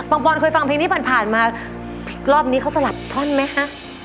ปอนเคยฟังเพลงนี้ผ่านผ่านมารอบนี้เขาสลับท่อนไหมฮะ